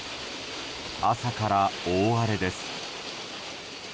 朝から大荒れです。